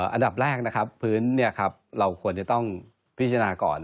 อันดับแรกนะครับพื้นเราควรจะต้องพิจารณาก่อน